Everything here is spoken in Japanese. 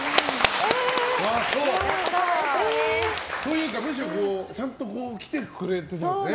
○。というか、むしろちゃんと来てくれていたんですね。